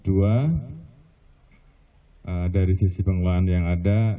dari sisi pengelolaan yang ada